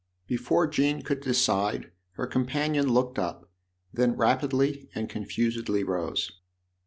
Before Jean could decide her com panion looked up, then rapidly and confusedly rose.